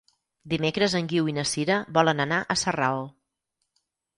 Dimecres en Guiu i na Sira volen anar a Sarral.